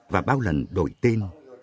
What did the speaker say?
và bao lần đổi tên